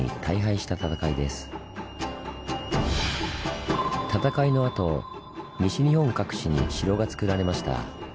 戦いのあと西日本各地に城がつくられました。